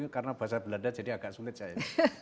karena bahasa belanda jadi agak sulit saya